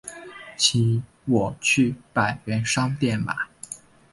请我去百元商店买